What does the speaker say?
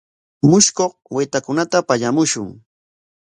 Mushkuq waytakunata pallamushun.